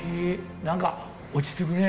何か落ち着くね。